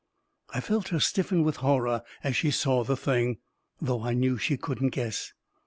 I felt her stiffen with horror as she saw the thing, though I knew she couldn't guess